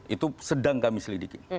itu sedang kami selidiki